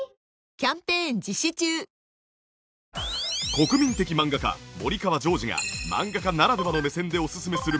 国民的漫画家森川ジョージが漫画家ならではの目線でおすすめする